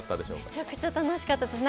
めちゃくちゃ楽しかったです。